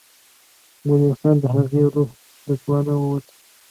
مومن خان د هغې روح و د توانه ووته.